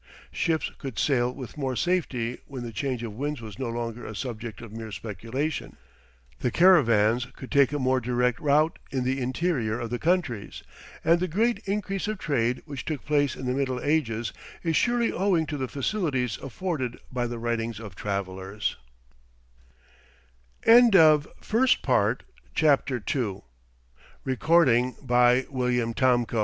Ships could sail with more safety when the change of winds was no longer a subject of mere speculation, the caravans could take a more direct route in the interior of the countries, and the great increase of trade which took place in the middle ages is surely owing to the facilities afforded by the writings of travellers. CHA